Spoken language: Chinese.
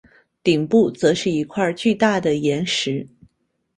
顶部则是一块巨大的岩石。